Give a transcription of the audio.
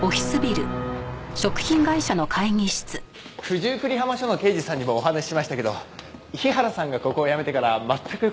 九十九里浜署の刑事さんにもお話ししましたけど日原さんがここを辞めてから全く交流がないんですよ。